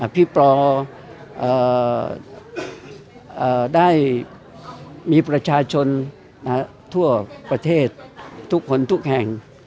พี่ปอได้มีประชาชนทั่วประเทศทุกคนทุกแห่ง